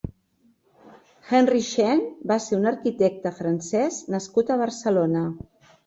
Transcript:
Henri Chaine va ser un arquitecte francès nascut a Barcelona.